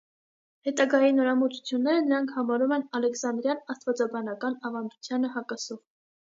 Հետագայի նորամուծությունները նրանք համարում են ալեքսանդրյան աստվածաբանական ավանդությանը հակասող։